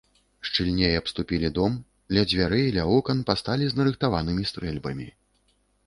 Шчыльней абступілі дом, ля дзвярэй, ля акон пасталі з нарыхтаванымі стрэльбамі.